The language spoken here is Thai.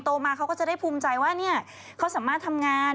มาเขาก็จะได้ภูมิใจว่าเขาสามารถทำงาน